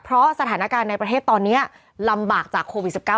เพราะสถานการณ์ในประเทศตอนนี้ลำบากจากโควิด๑๙